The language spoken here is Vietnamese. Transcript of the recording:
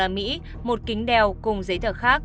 một kính đeo cùng giấy thờ khác